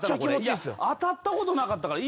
いや当たったことなかったから。